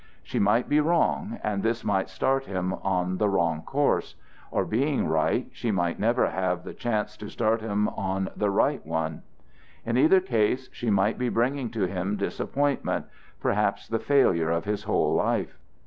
She might be wrong, and thus might start him on the wrong course; or, being right, she might never have the chance to start him on the right one. In either case she might be bringing to him disappointment, perhaps the failure of his whole life.